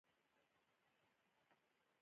چې زه هم خپل ځان پر وکتلوم.